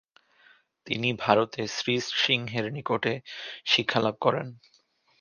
তিনি ভারতে শ্রী সিংহের নিকটে শিক্ষা লাভ করেন।